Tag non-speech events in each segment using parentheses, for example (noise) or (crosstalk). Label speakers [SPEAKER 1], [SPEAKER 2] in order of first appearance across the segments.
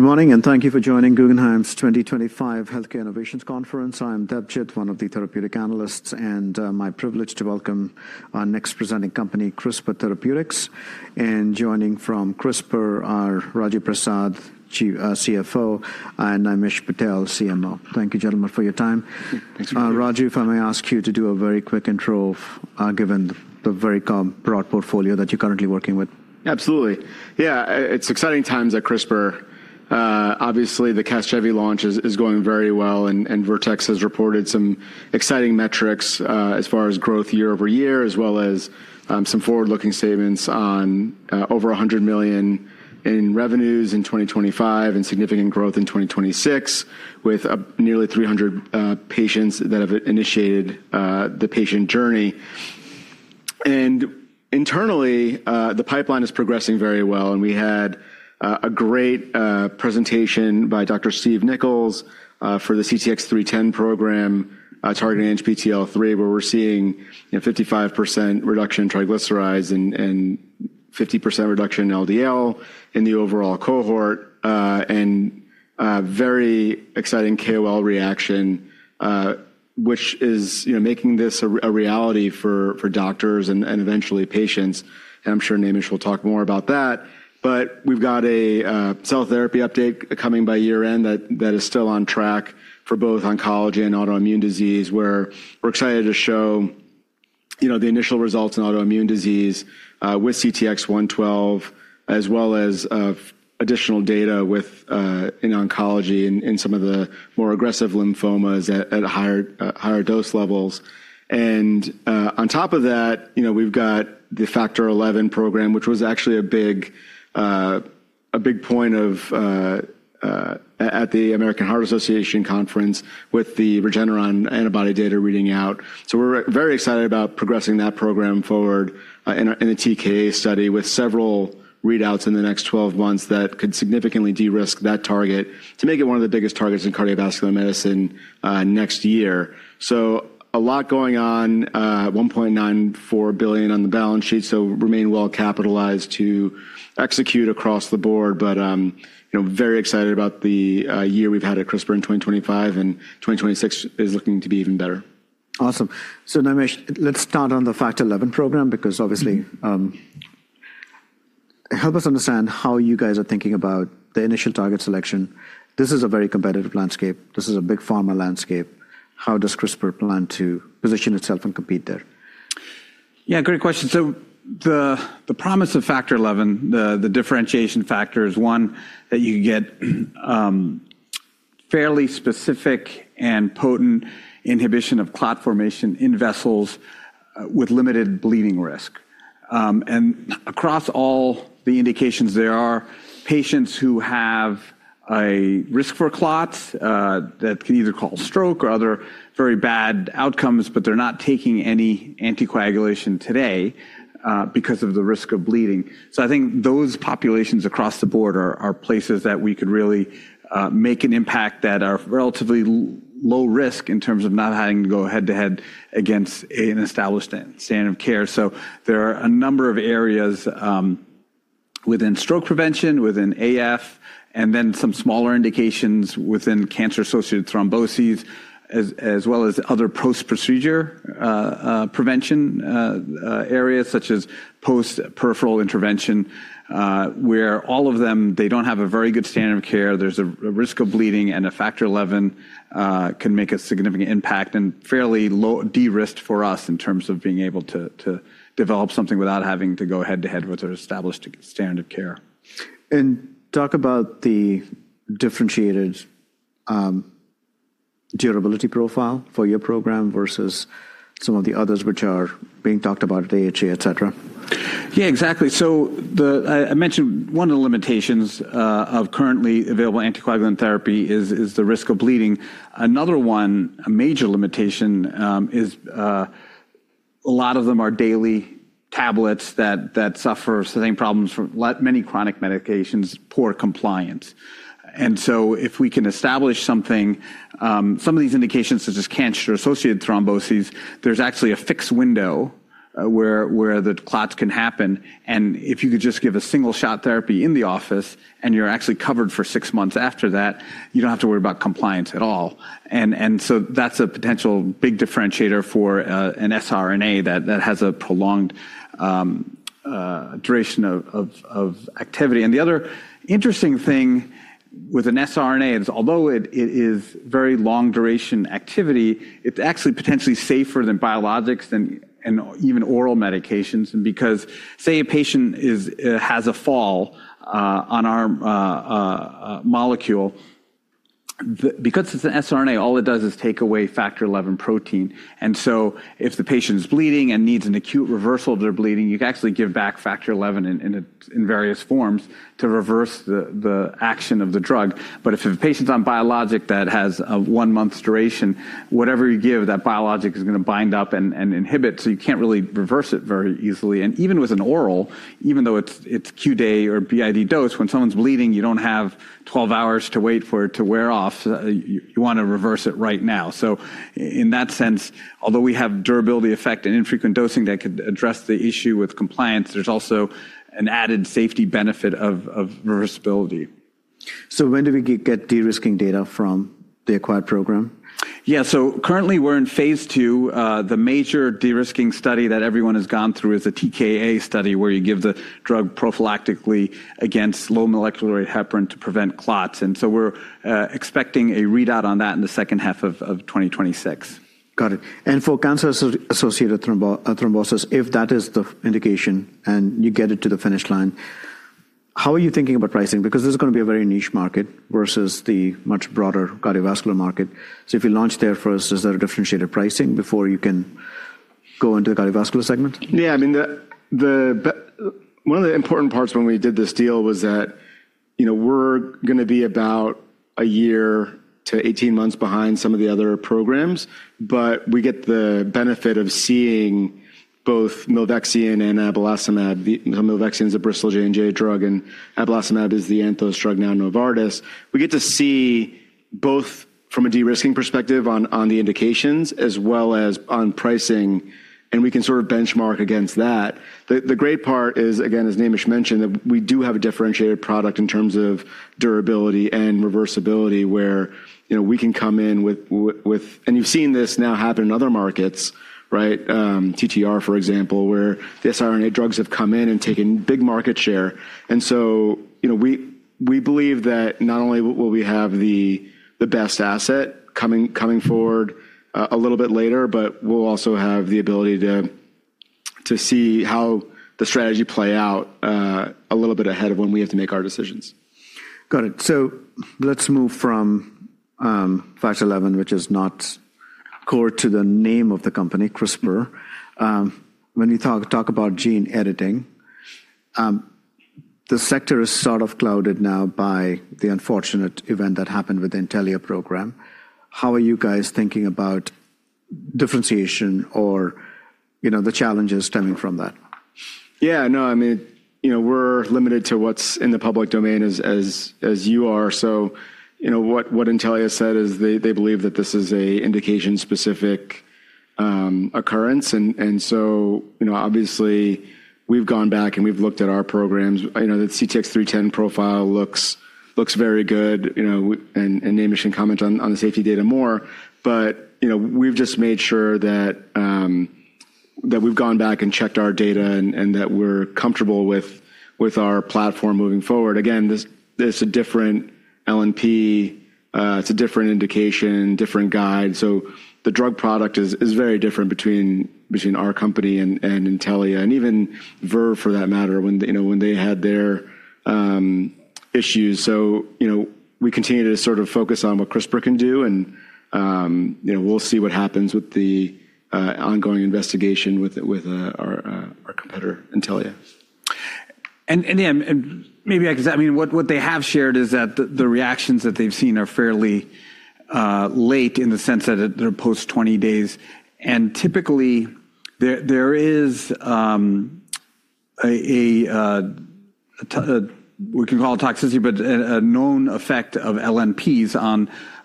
[SPEAKER 1] Good morning and thank you for joining Guggenheim's 2025 Healthcare Innovations Conference. I am Debjit, one of the therapeutic analysts and my privilege to welcome our next presenting company, CRISPR Therapeutics. Joining from CRISPR are Raju Prasad, CFO, and Naimish Patel, CMO. Thank you gentlemen for your time. Thanks for having me. Raju, if I may ask you to do a very quick intro given the very calm, broad portfolio that you're currently working with. Absolutely, yeah. It's exciting times at CRISPR. Obviously the CASGEVY launch is going very well and Vertex has reported some exciting metrics as far as growth year-over-year, as well as some forward looking statements on over $100 million in revenues in 2025 and significant growth in 2026 with nearly 300 patients that have initiated the patient journey. Internally the pipeline is progressing very well. We had a great presentation by Dr. Steve Nichols for the CTX310 program targeting ANGPTL3, where we're seeing 55% reduction in triglycerides and 50% reduction in LDL in the overall cohort and very exciting KOL reaction which is making this a reality for doctors and eventually patients. I'm sure Naimish will talk more about that, but we've got a cell therapy update coming by year end that is still on track for both oncology and autoimmune disease, where we're excited to show the initial results in autoimmune disease with CTX112, as well as additional data in oncology in some of the more aggressive lymphomas at higher dose level. On top of that we've got the Factor XI program, which was actually a big point at the American Heart Association conference with the Regeneron antibody data reading out. We're very excited about progressing that program forward in a TKA study with several readouts in the next 12 months that could significantly de-risk that target to make it one of the biggest targets in cardiovascular medicine next year. A lot going on, $1.94 billion on the balance sheet. Remain well capitalized to execute across the board. But very excited about the year we've had at CRISPR in 2025 and 2026 is looking to be even better.
[SPEAKER 2] Awesome. Naimish, let's start on the Factor XI program because obviously help us understand how you guys are thinking about the initial target selection. This is a very competitive landscape. This is a big pharma landscape. How does CRISPR plan to position itself and compete there?
[SPEAKER 3] Yeah, great question. The promise of Factor XI, the differentiation factor, is one that you get fairly specific and potent inhibition of clot formation in vessels with limited bleeding risk. Across all the indications, there are patients who have a risk for clots that can either cause stroke or other very bad outcomes, but they're not taking any anticoagulation today because of the risk of bleeding. I think those populations across the board are places that we could really make an impact that are relatively low risk in terms of not having to go head to head against an established standard of care. There are a number of areas within stroke prevention, within AF, and then some smaller indications within cancer-associated thrombosis, as well as other post-procedure prevention areas such as post peripheral intervention, where all of them, they do not have a very good standard of care, there is a risk of bleeding, and a Factor XI can make a significant impact and fairly low de-risk for us in terms of being able to develop something without having to go head to head with their established standard care.
[SPEAKER 2] Talk about the differentiated durability profile for your program versus some of the others which are being talked about at AHA, et cetera.
[SPEAKER 3] Yeah, exactly. I mentioned one of the limitations of currently available anticoagulant therapy is the risk of bleeding. Another one, a major limitation, is that a lot of them are daily tablets that suffer the same problems as many chronic medications, poor compliance. If we can establish something, some of these indications, such as cancer-associated thrombosis, there's actually a fixed window where the clots can happen. If you could just give a single-shot therapy in the office and you're actually covered for six months, after that, you don't have to worry about compliance at all. That's a potential big differentiator for an siRNA that has a prolonged duration of activity. The other interesting thing with an siRNA is, although it is very long duration activity, it's actually potentially safer than biologics and even oral medications. Because say a patient has a fall on our molecule, because it's an siRNA, all it does is take away Factor XI protein. If the patient is bleeding and needs an acute reversal of their bleeding, you can actually give back Factor XI in various forms to reverse the action of the drug. If a patient is on a biologic that has a one month duration, whatever you give, that biologic is going to bind up and inhibit. You can't really reverse it very easily. Even with an oral, even though it's Q-Day or BID dose, when someone's bleeding, you don't have 12 hours to wait for it to wear off. You want to reverse it right now. In that sense, although we have durability effect and infrequent dosing that could address the issue with compliance, there's also an added safety benefit of reversibility.
[SPEAKER 2] When do we get de risking data from the acquired program?
[SPEAKER 3] Yeah, so currently we're in phase two. The major de-risking study that everyone has gone through is a TKA study where you give the drug prophylactically against low molecular heparin to prevent clots. We're expecting a readout on that in the second half of 2026.
[SPEAKER 2] Got it. For cancer associated thrombosis, if that is the indication and you get it to the finish line, how are you thinking about pricing? This is going to be a very niche market versus the much broader cardiovascular market. If you launch there first, is there a differentiated pricing before you can go into the cardiovascular segment?
[SPEAKER 1] Yeah, I mean, one of the important parts when we did this deal was that we're going to be about a year to 18 months behind some of the other programs. We get the benefit of seeing both Milvexian and Abelacimab. Milvexian is a Bristol J&J drug and Abelacimab is the Anthos drug, now Novartis. We get to see both from a de-risking perspective on the indications as well as on pricing, and we can sort of benchmark against that. The great part is, again, as Naimish mentioned, that we do have a differentiated product in terms of durability and reversibility, where we can come in with. You have seen this now happen in other markets, right? TTR, for example, where the siRNA drugs have come in and taken big market share. You know, we believe that not only will we have the best asset coming forward a little bit later, but we'll also have the ability to see how the strategy play out a little bit ahead of when we have to make our decisions.
[SPEAKER 2] Got it. Let's move from Factor XI, which is not core, to the name of the company, CRISPR. When you talk about gene editing, the sector is sort of clouded now by the unfortunate event that happened with the Intellia program. How are you guys thinking about differentiation or the challenges stemming from that?
[SPEAKER 1] Yeah, no, I mean, you know, we're limited to what's in the public domain as you are. You know, what Intellia said is they believe that this is an indication-specific occurrence. You know, obviously we've gone back and we've looked at our programs. The CTX310 profile looks very good, you know, and Naimish can comment on the safety data more. You know, we've just made sure that we've gone back and checked our data and that we're comfortable with our platform moving forward. Again, it's a different LNP, it's a different indication, different guide. The drug product is very different between our company and Intellia and even Verve for that matter, when they had their issues. We continue to focus on what CRISPR can do and we'll see what happens with the ongoing investigation with our competitor Intellia.
[SPEAKER 3] Yeah, maybe I could say, I mean, what they have shared is that the reactions that they've seen are fairly late in the sense that they're post 20 days. Typically there is. a We can call it toxicity, but a known effect of LNPs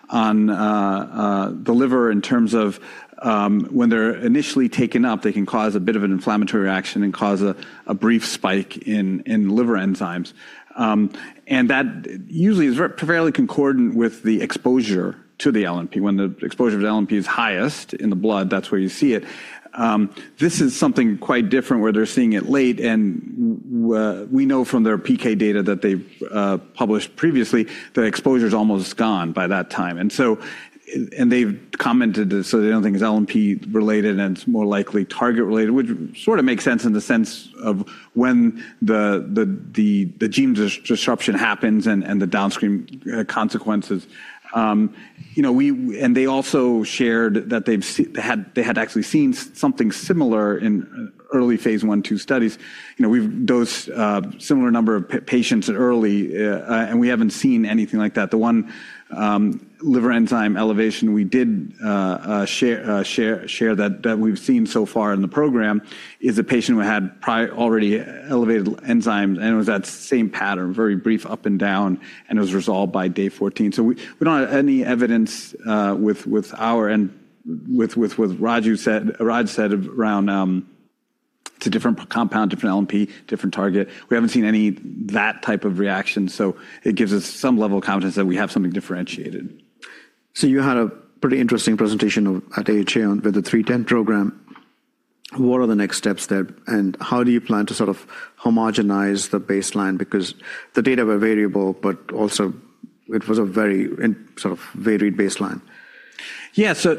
[SPEAKER 3] on the liver in terms of when they're initially taken up. They can cause a bit of an inflammatory reaction and cause a brief spike in liver enzymes. That usually is fairly concordant with the exposure to the LNP. When the exposure to the LNP is highest in the blood, that's where you see it. This is something quite different where they're seeing it late. We know from their PK data that they published previously, the exposure's almost gone by that time. They have commented, so they don't think it's LNP related and it's more likely target related, which sort of makes sense in the sense of when the gene disruption happens and the downstream consequences. They also shared that they had actually seen something similar in early phase 1/2 studies. We've dosed similar number of patients early and we haven't seen anything like that. The one liver enzyme elevation we did share, that we've seen so far in the program, is a patient who had already elevated enzymes and it was that same pattern, very brief up and down, and it was resolved by day 14. We don't have any evidence. What Raju said around, it's a different compound, different LNP, different target. We haven't seen any that type of reaction. It gives us some level of confidence that we have something differentiated.
[SPEAKER 2] You had a pretty interesting presentation at AHA with the 310 program. What are the next steps there and how do you plan to sort of homogenize the baseline, because the data were variable, but also it was a very sort of varied baseline.
[SPEAKER 3] Yeah. So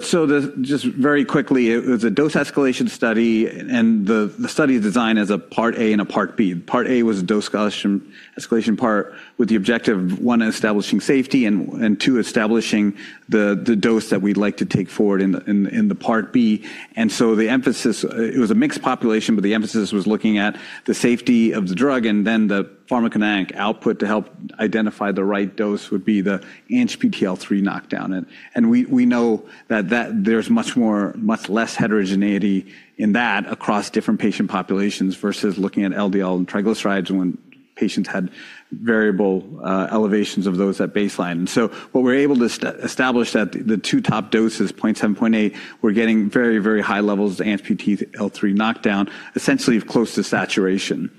[SPEAKER 3] just very quickly it was a dose escalation study. The study is designed as a part A and a part B. Part A was dose escalation. Escalation part with the objective, one, establishing safety and, two, establishing the dose that we'd like to take forward in the part B. The emphasis, it was a mixed population, but the emphasis was looking at the safety of the drug and then the pharmacogenic output to help identify the right dose would be the ANGPTL3 knockdown. We know that there's much less heterogeneity in that across different patient populations versus looking at LDL and triglycerides when you have patients who had variable elevations of those at baseline. What we're able to establish is that the two top doses, 0.7 and 0.8, were getting very, very high levels of ANGPTL3 knockdown, essentially close to saturation.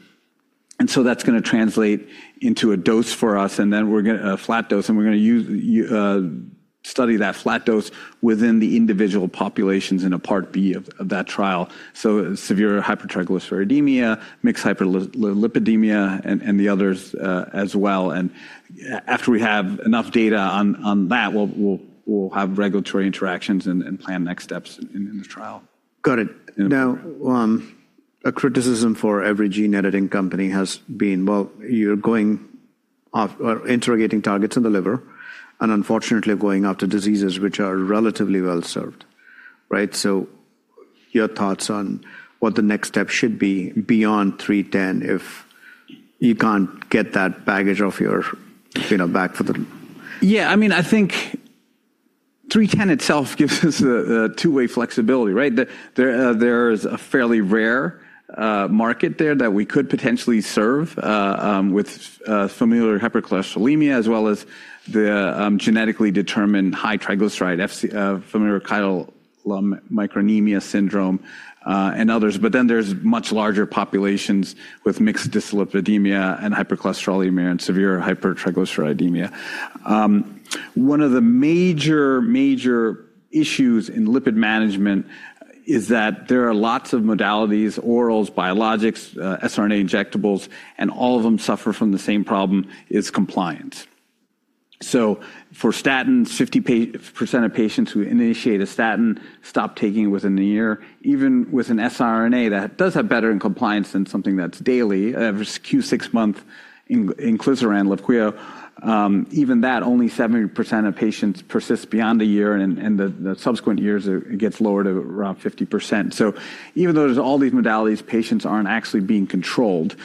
[SPEAKER 3] That's going to translate into a dose for us. We're going to flat dose and we're going to study that flat dose within the individual populations in a part B of that trial. Severe hypertriglyceridemia, mixed hyperlipidemia and the others as and after we have enough data on that, we'll have regulatory interactions and plan next steps in the trial.
[SPEAKER 2] Got it. Now, a criticism for every gene editing company has been, well, you're going interrogating targets in the liver and unfortunately going after diseases which are relatively well served. Right. So your thoughts on what the next step should be beyond 310 if you can't get that baggage off your back for the.
[SPEAKER 3] Yeah, I mean I think 310 itself gives us two-way flexibility. Right. There is a fairly rare market there that we could potentially serve with familial hypercholesterolemia as well as the genetically determined high triglyceride, familial chylomicronemia syndrome and others. There are much larger populations with mixed dyslipidemia and hypercholesterolemia and severe hypertriglyceridemia. One of the major, major issues in lipid management is that there are lots of modalities. Orals, biologics, siRNA injectables, and all of them suffer from the same problem, which is compliance. For statins, 50% of patients who initiate a statin stop taking it within a year. Even with a siRNA that does have better compliance than something that's daily, Q6 month inclisiran, Leqvio, even that, only 70% of patients persist beyond a year. In the subsequent years, it gets lower to around 50%. Even though there are all these modalities, patients aren't actually being controlled.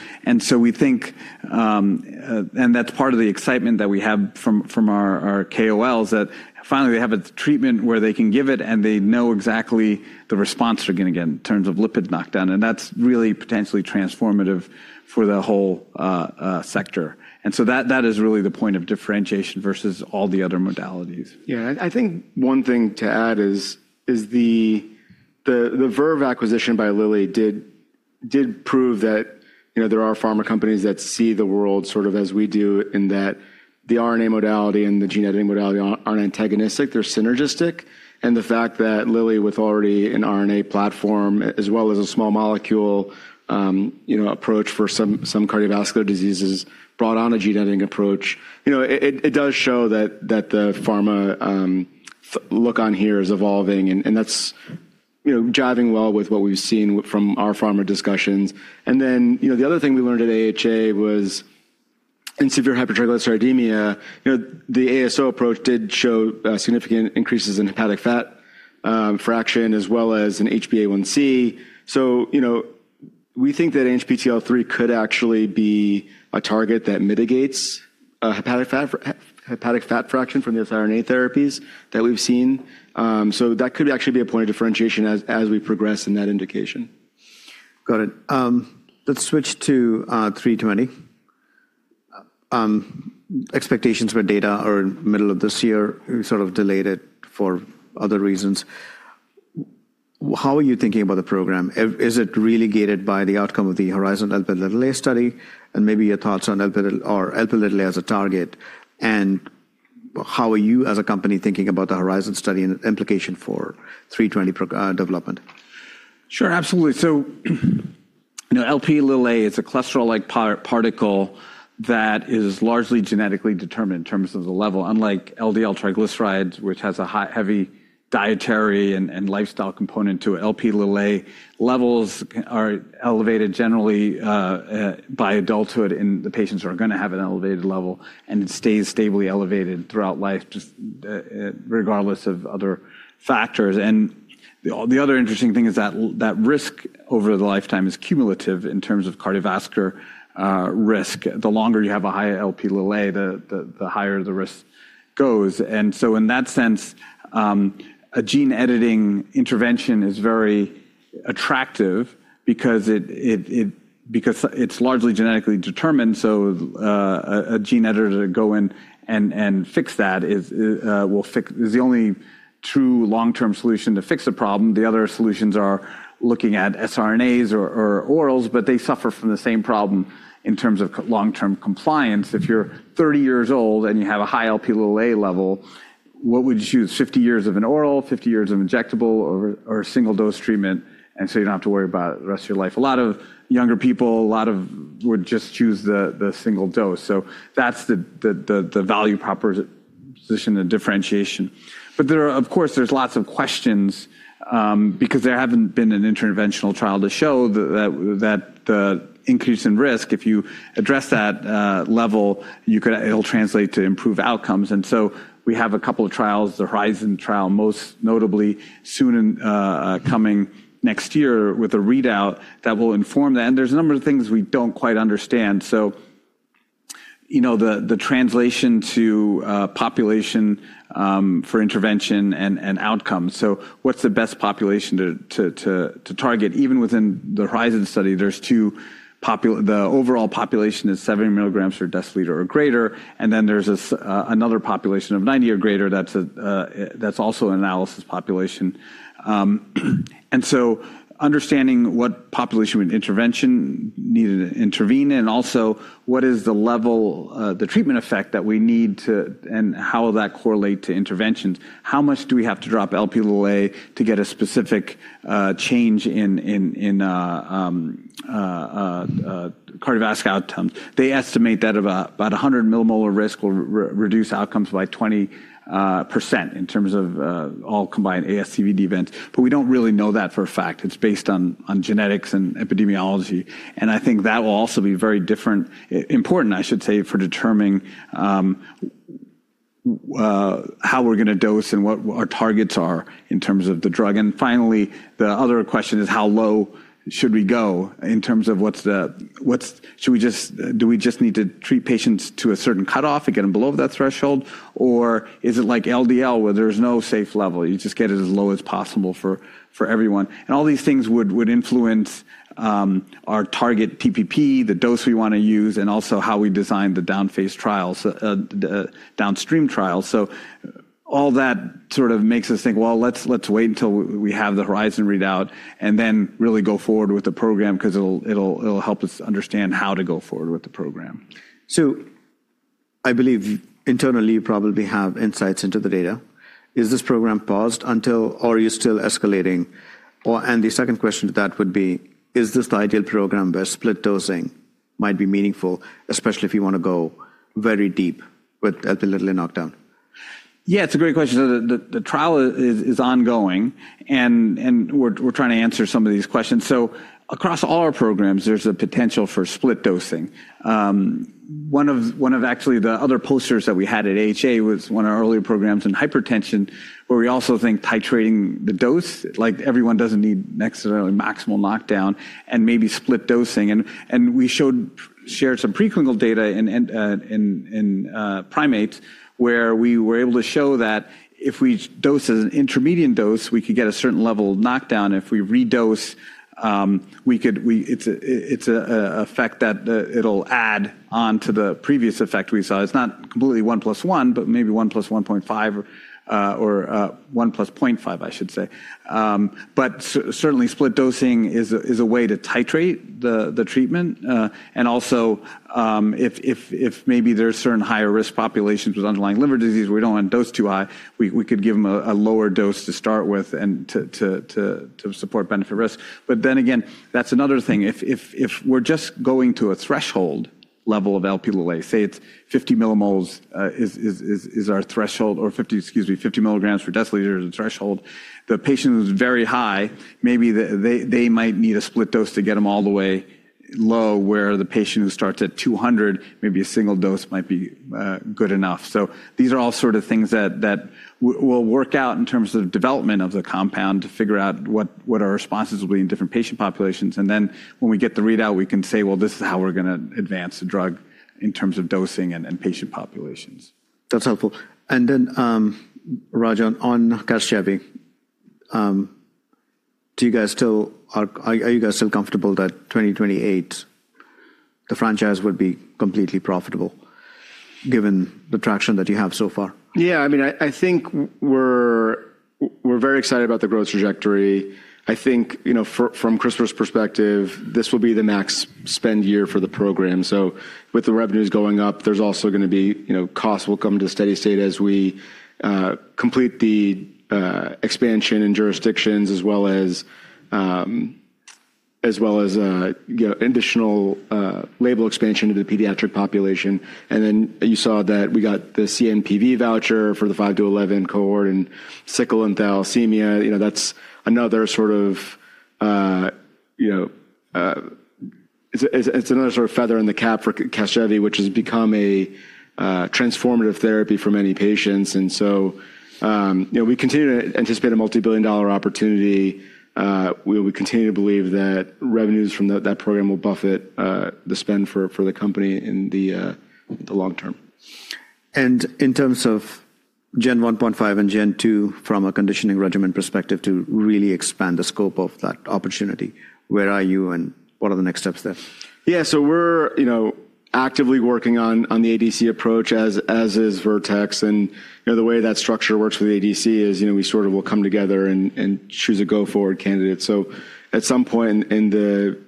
[SPEAKER 3] We think, and that's part of the excitement that we have from our KOLs, that finally they have a treatment where they can give it and they know exactly the response, again in terms of lipid knockdown. That is really potentially transformative for the whole sector. That is really the point of differentiation versus all the other modalities.
[SPEAKER 1] Yeah. I think one thing to add is the Verve acquisition by Lilly did prove that there are pharma companies that see the world sort of as we do, in that the RNA modality and the gene editing modality aren't antagonistic, they're synergistic. The fact that Lilly, with already an RNA platform as well as a small molecule approach for some cardiovascular diseases, brought on a genetic approach, it does show that the pharma look on here is evolving. That's jiving well with what we've seen from our pharma discussions. The other thing we learned at AHA was in severe hypertriglyceridemia, the ASO approach did show significant increases in hepatic fat fraction as well as in HbA1c. You know, we think that ANGPTL3 could actually be a target that mitigates hepatic fat fraction from the siRNA therapies that we've seen. That could actually be a point of differentiation as we progress in that indication.
[SPEAKER 2] Got it. Let's switch to 320. Expectations for data are in middle of this year. We sort of delayed it for other reasons. How are you thinking about the program? Is it really gated by the outcome of the Horizon (audio distortion) study? Maybe your thoughts on Lp(a) as a target? How are you as a company thinking about the Horizon study and implication for 320 development?
[SPEAKER 3] Sure, absolutely. Lp(a) is a cholesterol-like particle that is largely genetically determined in terms of the level. Unlike LDL triglycerides, which has a heavy dietary and lifestyle component to it, Lp(a) levels are elevated generally by adulthood in the patients who are going to have an elevated level, and it stays stably elevated throughout life, just regardless of other factors. The other interesting thing is that risk over the lifetime is cumulative in terms of cardiovascular risk. The longer you have a high Lp(a), the higher the risk goes. In that sense, a gene editing intervention is very attractive because it's largely genetically determined. A gene editor to go in and fix that is the only true long-term solution to fix a problem. The other solutions are looking at siRNAs or orals, but they suffer from the same problem in terms of long-term compliance. If you're 30 years old and you have a high Lp(a) level, what would you choose? Fifty years of an oral, fifty years of injectable, or a single dose treatment and you do not have to worry about the rest of your life. A lot of younger people would just choose the single dose. That is the value proposition and differentiation. There are, of course, lots of questions because there has not been an interventional trial to show that the increase in risk, if you address that level, will translate to improved outcomes. We have a couple of trials, the Horizon trial most notably, soon coming next year with a readout that will inform that. There is a number of things we do not quite understand. The translation to population for intervention and outcomes, what is the best population to target? Even within the Horizon study, there are two. The overall population is 70 milligrams per deciliter or greater and then there is another population of 90 or greater. That is also an analysis population. Understanding what population with intervention needed to intervene and also what is the level, the treatment effect that we need and how will that correlate to interventions? How much do we have to drop Lp(a) to get a specific change in cardiovascular outcomes? They estimate that about 100 millimolar risk will reduce outcomes by 20% in terms of all combined ASCVD events. We do not really know that for a fact. It is based on genetics and epidemiology. I think that will also be very different, important, I should say, for determining how we're going to dose and what our targets are in terms of the drug. Finally, the other question is how low should we go in terms of do we just need to treat patients to a certain cutoff and get them below that threshold, or is it like LDL where there's no safe level, you just get it as low as possible for. All these things would influence our target tpp, the dose we want to use, and also how we design the down phase trials, downstream trials. All that sort of makes us think, let's wait until we have the Horizon readout and then really go forward with the program because it'll help us understand how to go forward with the program.
[SPEAKER 2] I believe internally you probably have insights into the data. Is this program paused until, or are you still escalating? The second question to that would be, is this the ideal program where split dosing might be meaningful, especially if you want to go very deep with Lp(a) knockdown?
[SPEAKER 3] Yeah, it's a great question. The trial is ongoing and we're trying to answer some of these questions. Across all our programs, there's a potential for split dosing. One of actually the other posters that we had at AHA was one of our earlier programs in hypertension, where we also think titrating the dose, like everyone doesn't need maximal knockdown and maybe split dosing. We shared some preclinical data in primates where we were able to show that if we dose as an intermediate dose, we could get a certain level of knockdown. If we redose, it's an effect that it'll add onto the previous effect we saw. It's not completely 1+1, but maybe 1+1.5 or 1+0.5, I should say. Certainly split dosing is a way to titrate the treatment. If maybe there are certain higher risk populations with underlying liver disease, we do not want to dose too high, we could give them a lower dose to start with to support benefit risk. That is another thing. If we are just going to a threshold level of Lp(a), say it is 50 millimoles is our threshold, or 50 milligrams per deciliter is the threshold, the patient is very high. Maybe they might need a split dose to get them all the way low, where the patient who starts at 200, maybe a single dose might be good enough. These are all sort of things that will work out in terms of development of the compound to figure out what our responses will be in different patient populations. When we get the readout, we can say, well, this is how we're going to advance the drug in terms of dosing and patient populations.
[SPEAKER 2] That's helpful. And then Raju, on CASGEVY. Do you. Guys, are you guys still comfortable that 2028, the franchise would be completely profitable given the traction that you have so far?
[SPEAKER 1] Yeah, I mean, I think we're very excited about the growth trajectory. I think, you know, from CRISPR's perspective, this will be the max spend year for the program. With the revenues going up, there's also going to be, you know, costs will come to steady state as we complete the expansion in jurisdictions as well as, you know, additional label expansion to the pediatric population. You saw that we got the CNPV voucher for the 5-11 cohort in sickle and thalassemia. That's another sort of feather in the cap for CASGEVY, which has become a transformative therapy for many patients. We continue to anticipate a multi billion dollar opportunity. We continue to believe that revenues from that program will buffet the spend for the company in the long term.
[SPEAKER 2] In terms of Gen 1.5 and Gen 2 from a conditioning regimen perspective to really expand the scope of that opportunity, where are you and what are the next steps there?
[SPEAKER 1] Yeah, so we're actively working on the ADC approach as is Vertex. The way that structure works with ADC is we sort of will come together and choose a go forward candidate. At some point in the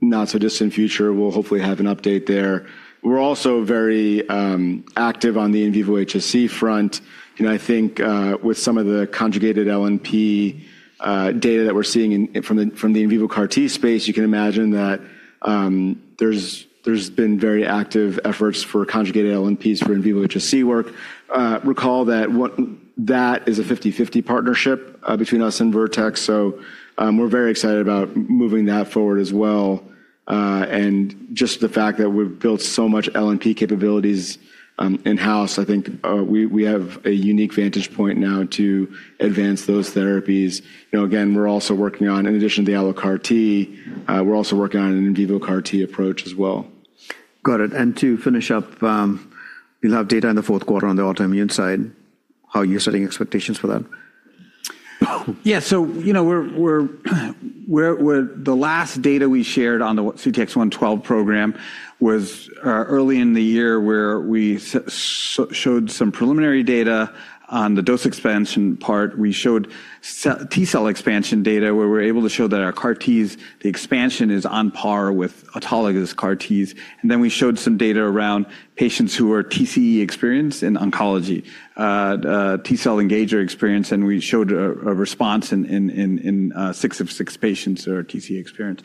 [SPEAKER 1] not so distant future, we'll hopefully have an update there. We're also very active on the in vivo HSC front. I think with some of the conjugated LNP data that we're seeing from the in vivo CAR-T space, you can imagine that there's been very active efforts for conjugated LNPs for in vivo HSC work. Recall that that is a 50/50 partnership between us and Vertex. We're very excited about moving that forward as well. Just the fact that we've built so much LNP capabilities in house, I think we have a unique vantage point now to advance those therapies. You know, again, we're also working on, in addition to the AlloCAR-T, we're also working on an in vivo CAR-T approach as well.
[SPEAKER 2] Got it. To finish up, we'll have data in the fourth quarter on the autoimmune side. How you're setting expectations for that?
[SPEAKER 3] Yeah. You know, the last data we shared on the CTX112 program was early in the year where we showed some preliminary data on the dose expansion part. We showed T cell expansion data where we're able to show that our CAR-T's, the expansion is on par with autologous CAR-T's. We showed some data around patients who are TCE experienced in oncology, T cell engager experienced. We showed a response in six of six patients who are TCE experienced.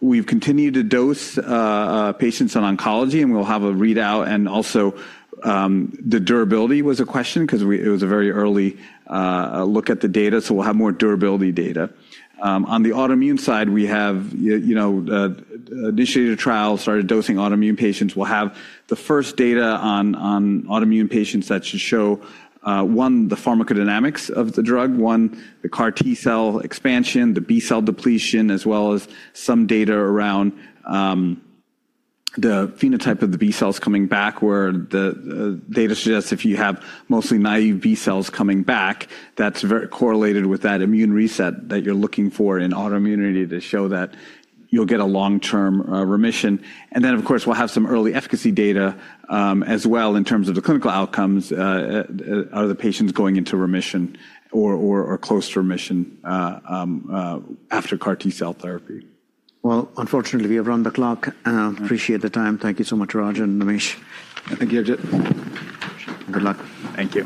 [SPEAKER 3] We have continued to dose patients on oncology and we'll have a readout. Also, the durability was a question because it was a very early look at the data. We'll have more durability data. On the autoimmune side, we have initiated a trial, started dosing autoimmune patients, and will have the first data on autoimmune patients. That should show one, the pharmacodynamics of the drug, one, the CAR-T cell expansion, the B cell depletion, as well as some data around the phenotype of the B cells coming back where the data suggests. If you have mostly naive B cells coming back, that's correlated with that immune reset that you're looking for in autoimmunity to show that you'll get a long-term remission. Of course, we'll have some early efficacy data as well. In terms of the clinical outcomes, are the patients going into remission or close to remission after CAR-T cell therapy?
[SPEAKER 2] Unfortunately, we have run the clock. Appreciate the time. Thank you so much. Raju and Naimish, thank you.
[SPEAKER 1] Debjit, good luck.
[SPEAKER 3] Thank you.